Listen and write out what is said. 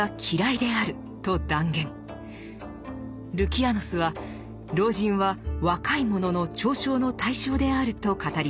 ルキアノスは「老人は『若い者の嘲笑の対象』である」と語ります。